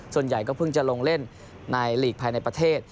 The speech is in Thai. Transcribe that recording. ส่วนใหญ่ก็เพิ่งจะลงเล่นในหลีกภายในประเทศ